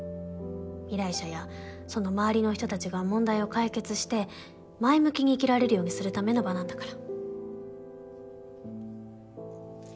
依頼者やその周りの人たちが問題を解決して前向きに生きられるようにするための場なんだから。